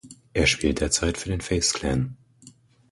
Er spielt derzeit für den Faze Clan.